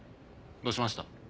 どうしました？